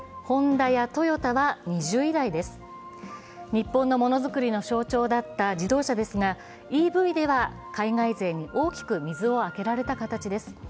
日本のものづくりの象徴だった自動車ですがＥＶでは海外勢に大きく水を開けられた形です。